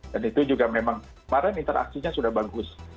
dan itu juga memang kemarin interaksinya sudah bagus